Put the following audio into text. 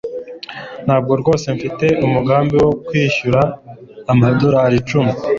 ntabwo rwose mfite umugambi wo kwishyura amadorari icumi